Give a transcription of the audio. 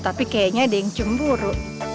tapi kayaknya ada yang cemburu